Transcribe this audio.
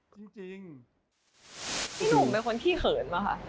จริงพี่หนุ่มเป็นคนขี้เขินป่ะคะ